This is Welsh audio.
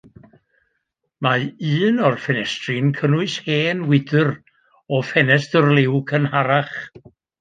Mae un o'r ffenestri'n cynnwys hen wydr o ffenestr liw cynharach.